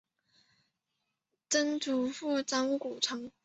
曾祖父张谷成。